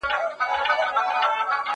يو څه ژرنده پڅه وه، يو څه غنم لانده وه.